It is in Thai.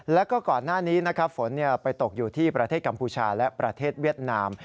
แล้วก็ก่อนหน้านี้นะครับฝนไปตกอยู่ที่ประเทศกัมพูชาและประเทศเวียดนาม